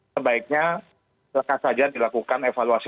sebaiknya lekat saja dilakukan evaluasi